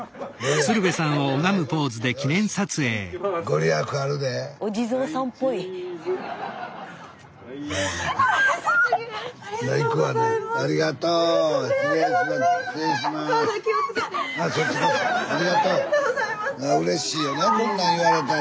スタジオうれしいよなこんなん言われたら。